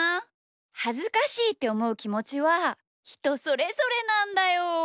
はずかしいっておもうきもちはひとそれぞれなんだよ。